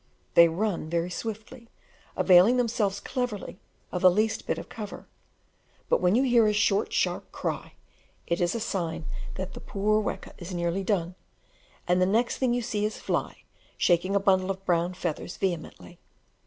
They run very swiftly, availing themselves cleverly of the least bit of cover; but when you hear a short sharp cry, it is a sign that the poor weka is nearly done, and the next thing you see is Fly shaking a bundle of brown feathers vehemently.